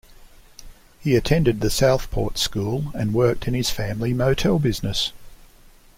He attended The Southport School and worked in his family motel business.